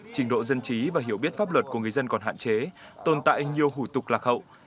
trình độ dân trí và hiểu biết pháp luật của người dân còn hạn chế tồn tại nhiều hủ tục lạc hậu